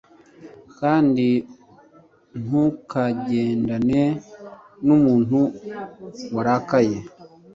kandi ntukagendane n’umuntu warakaye